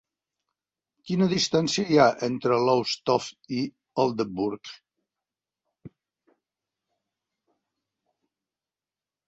Quina distancia hi ha entre Lowestoft i Aldeburgh?